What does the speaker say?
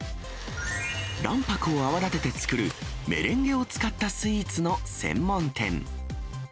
卵白を泡立てて作るメレンゲを使ったスイーツの専門店。